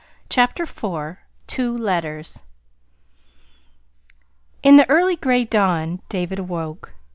CHAPTER IV TWO LETTERS In the early gray dawn David awoke.